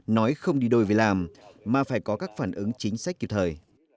nói không đi đôi với làm mà phải có các phản ứng chính sách kịp thời